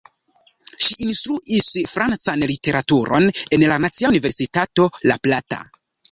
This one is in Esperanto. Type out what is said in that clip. Ŝi instruis francan literaturon en la Nacia Universitato La Plata.